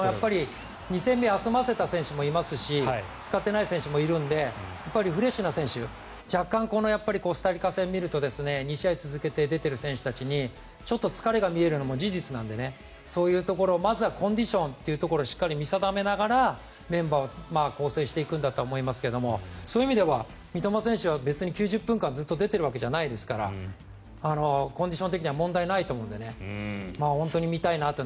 ２戦目、休ませた選手もいますし使ってない選手もいるのでフレッシュな選手若干、コスタリカ戦を見ると２試合続けて出ている選手たちにちょっと疲れが見えるのも事実なのでそういうところを、まずはコンディションというところをしっかり見定めながらメンバーを構成していくんだとは思いますがそういう意味では三笘選手は別に９０分間ずっと出ているわけじゃないですからコンディション的には問題ないと思うので本当に見たいなと。